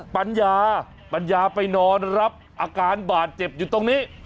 ปัญญาปัญญาไปนอนรับอาการบาดเจ็บอยู่ตรงนี้